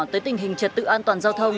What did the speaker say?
tới tình hình trật tự an toàn giao thông